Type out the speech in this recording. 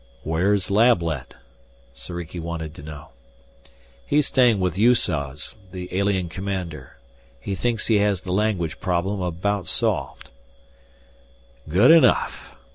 "Where's Lablet?" Soriki wanted to know. "He's staying with Yussoz, the alien commander. He thinks he has the language problem about solved." "Good enough."